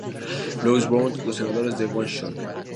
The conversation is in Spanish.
Louis Browns, y los senadores de Washington.